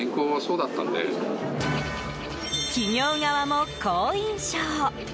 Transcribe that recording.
企業側も好印象。